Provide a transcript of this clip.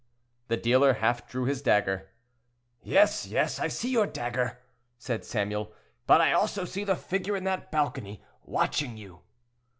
The dealer half drew his dagger. "Yes, yes, I see your dagger," said Samuel; "but I also see the figure in that balcony, watching you."